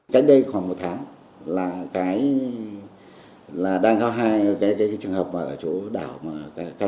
cách đây khoảng một tháng là đang có hai trường hợp ở chỗ đảo mà các anh nói là có là chúng tôi đã anh em đã đáp vào làm việc với địa phương